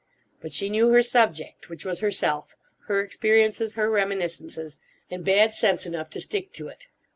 But she knew her subject, which was Herself—her experiences, her reminiscences: and bad sense enough to stick to it.